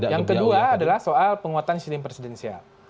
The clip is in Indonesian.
yang kedua adalah soal penguatan sistem presidensial